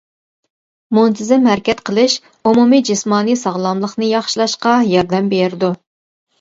مۇنتىزىم ھەرىكەت قىلىش ئومۇمىي جىسمانىي ساغلاملىقنى ياخشىلاشقا ياردەم بېرىدۇ.